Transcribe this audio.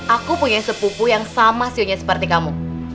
aku punya sepupu yang sama siunya seperti kamu